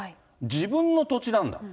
自分の土地なんだと。